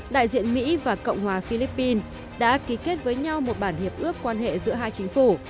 đại diện mỹ và cộng hòa philippines đã ký kết với nhau một bản hiệp ước quan hệ giữa hai chính phủ